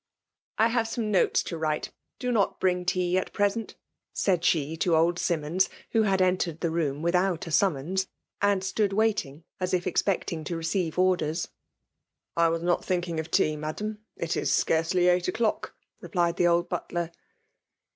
*' I hare some notes to write ; do not bring tea at present," said she to old Simmons* who FBIIALB WMTVATIOVr. 223 had entered ihe room withoat a snmoiDns, and «lood waiting, as if expecting to receive orden. ^ I was not tliinking of tea. Madam ; it is scarcely eight o*clodc/' replied the old butier.